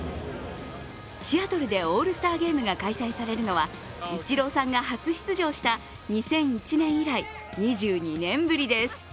シアトルでオールスターゲームが開催されるのはイチローさんが初出場した２００１年以来２２年ぶりです。